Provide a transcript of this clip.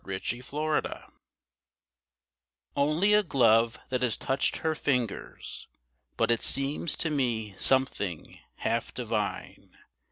ONLY A GLOVE Only a glove that has touched her fingers, But it seems to me something half divine.